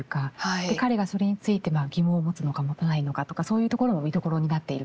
で彼がそれについて疑問を持つのか持たないのかとかそういうところも見どころになっていると思います。